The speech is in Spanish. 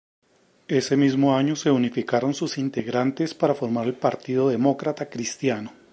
Ese mismo año se unificaron sus integrantes para formar el Partido Demócrata Cristiano.